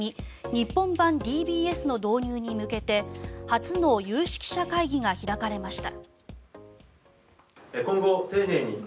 日本版ＤＢＳの導入に向けて初の有識者会議が開かれました。